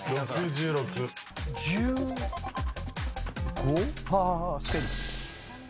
１５％。